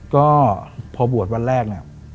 ก็พอบวชวันแรก